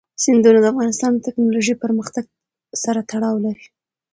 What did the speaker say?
سیندونه د افغانستان د تکنالوژۍ پرمختګ سره تړاو لري.